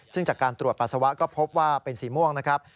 ซึ่งจากการตรวจปัสสาวะก็พบว่าเป็นสีม่วงนะครับ